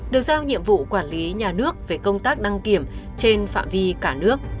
được giao nhiệm vụ quản lý nhà nước về công tác đăng kiểm trên phạm vi cả nước